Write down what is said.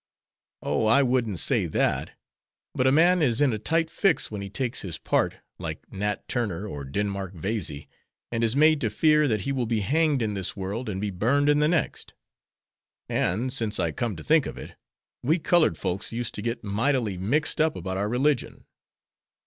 "Oh, I wouldn't say that. But a man is in a tight fix when he takes his part, like Nat Turner or Denmark Veasy, and is made to fear that he will be hanged in this world and be burned in the next. And, since I come to think of it, we colored folks used to get mightily mixed up about our religion.